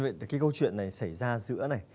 cái câu chuyện này xảy ra giữa này